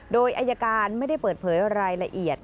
โดยอายการไม่ได้เปิดเผยรายละเอียด